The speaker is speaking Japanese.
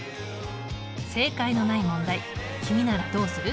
正解のない問題君ならどうする？